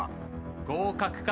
合格か？